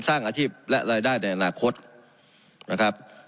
สร้างอาชีพและรายได้ในอนาคตนะครับ